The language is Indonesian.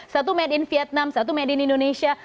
satu made in vietnam satu made in indonesia